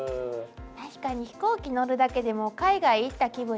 確かに飛行機乗るだけでも海外行った気分になるもんね。